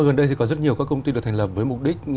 gần đây thì có rất nhiều các công ty được thành lập với mục đích